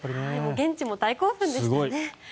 現地も大興奮でしたね。